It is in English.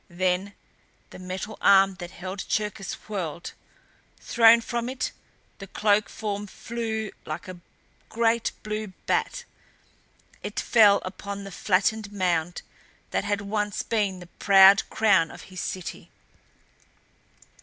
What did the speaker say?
Then the metal arm that held Cherkis whirled. Thrown from it, the cloaked form flew like a great blue bat. It fell upon the flattened mound that had once been the proud crown of his city.